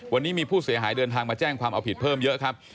วันนี้มีผู้เสียหายเดินทางมาแจ้งความเอาผิดเพิ่มเยอะครับ